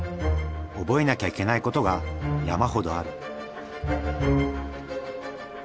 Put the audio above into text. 覚えなきゃいけないことが山ほどある。